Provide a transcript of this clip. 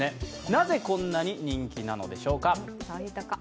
なぜ、こんなに人気なのでしょうか